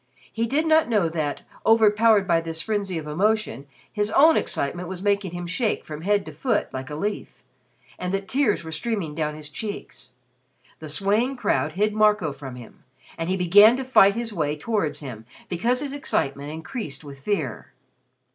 He did not know that, overpowered by this frenzy of emotion, his own excitement was making him shake from head to foot like a leaf, and that tears were streaming down his cheeks. The swaying crowd hid Marco from him, and he began to fight his way towards him because his excitement increased with fear.